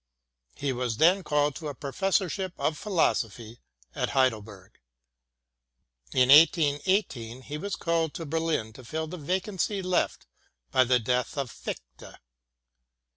He was then called to a professor ship of philosophy at Heidelberg. In 1818 he was called to Berlin to fill the vacancy left by the death of Fichte.